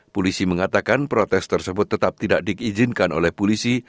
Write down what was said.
polisi mengatakan protes tersebut tetap tidak diizinkan oleh polisi